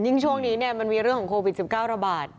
ช่วงนี้มันมีเรื่องของโควิด๑๙ระบาด